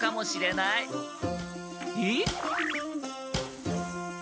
えっ？